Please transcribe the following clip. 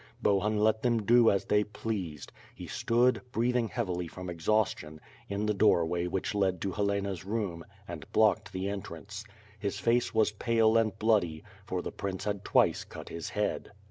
Bohun \vi them do as they pleased. He stood, breathing heavily from exhaustion, in the doorway which led to Helena's room, and blocked the entrance. His face was pale and bloody, for the prince had twice cut his head.